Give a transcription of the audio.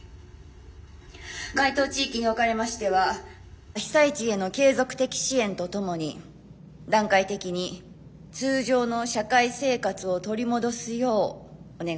該当地域におかれましては被災地への継続的支援とともに段階的に通常の社会生活を取り戻すようお願いいたします。